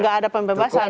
gak ada pembebasan